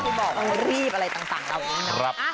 ที่บอกว่ารีบอะไรต่างต่าง